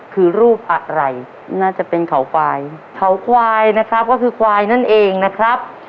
คือรูปอะไรน่าจะเป็นเขาควายเขาควายนะครับก็คือควายนั่นเองนะครับ